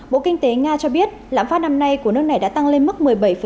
bộ kinh tế nga cho biết lãnh pháp năm nay của nước này đã tăng lên mức một mươi bảy sáu mươi hai